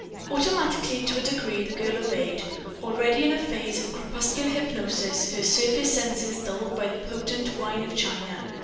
Automatically to a degree the girl obeyed, already in a phase of crepuscular hypnosis, her surface senses dulled by the potent "wine of China."